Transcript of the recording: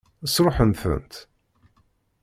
Sṛuḥen-tent?